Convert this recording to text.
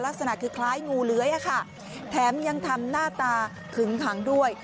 ลักษณะคือคล้ายงูเลื้อยแถมยังทำหน้าตาขึงขังด้วย